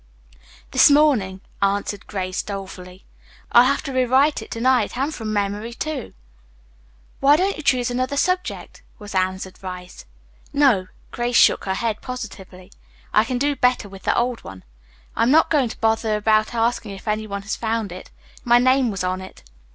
"This morning," answered Grace dolefully. "I'll have to rewrite it to night and from memory, too." "Why don't you choose another subject?" was Anne's advice. "No." Grace shook her head positively. "I can do better with the old one. I'm not going to bother about asking if any one has found it. My name was on it.